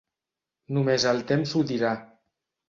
Només el temps ho dirà.